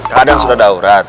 kadang sudah daurat